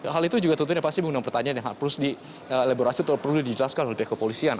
hal itu juga tentunya pasti mengundang pertanyaan yang harus dielaborasi atau perlu dijelaskan oleh pihak kepolisian